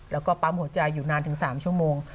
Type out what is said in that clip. แล้วก็ปั๊มหัวใจอยู่นานถึง๓ชั่วโมง